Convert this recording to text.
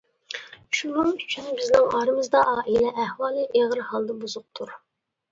شۇنىڭ ئۈچۈن بىزنىڭ ئارىمىزدا ئائىلە ئەھۋالى ئېغىر ھالدا بۇزۇقتۇر.